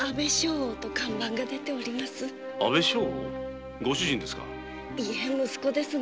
「阿部将翁」？ご主人ですか？